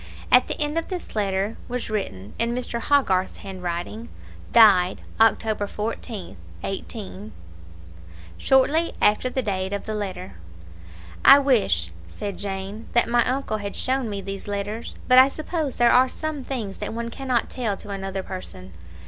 At the end of this letter was written, in Mr. Hogarth's hand writing, "Died, October 14th, 18 ," shortly after the date of the letter. "I wish," said Jane, "that my uncle had shown me these letters; but I suppose there are some things that one cannot tell to another person."